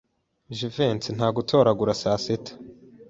Jivency ntagutoragura saa sita?